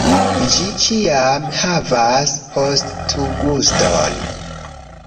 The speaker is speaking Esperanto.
Ĝi ĉiam havas postguston